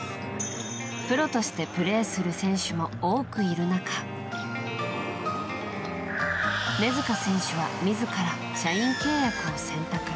プロとしてプレーする選手も多くいる中根塚選手は自ら社員契約を選択。